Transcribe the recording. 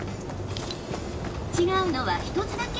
違うのは１つだけ。